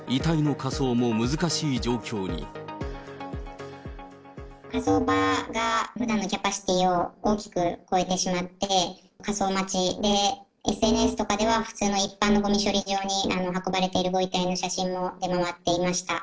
火葬場がふだんのキャパシティを大きく超えてしまって、火葬待ちで、ＳＮＳとかでは普通の一般のごみ処理場に運ばれているご遺体の写真も出回っていました。